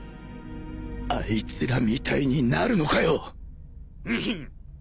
あいつらみたいになるのかよニヒッ。